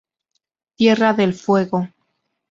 Tierra del Fuego.